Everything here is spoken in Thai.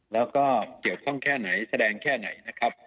แล้วก็เกี่ยวข้องแค่ไหนแสดงแค่ไหนนะครับ